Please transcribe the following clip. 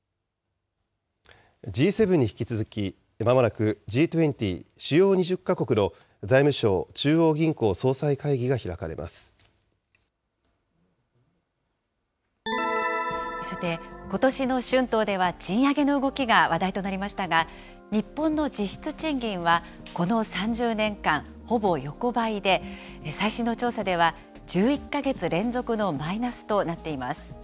Ｇ７に引き続き、まもなくＧ２０・主要２０か国の財務相・中央銀行総裁会議が開かさて、ことしの春闘では、賃上げの動きが話題となりましたが、日本の実質賃金は、この３０年間、ほぼ横ばいで、最新の調査では、１１か月連続のマイナスとなっています。